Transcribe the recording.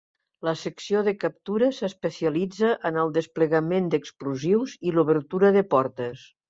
La secció de captura s'especialitza en el desplegament d'explosius i l'obertura de portes.